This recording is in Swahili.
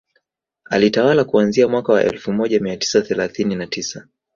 Aliyetawala kuanzia mwaka wa elfu moja mia tisa thelathini na tisa